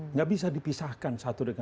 nggak bisa dipisahkan